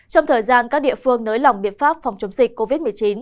trong thời gian các địa phương nới lỏng biện pháp phòng chống dịch covid một mươi chín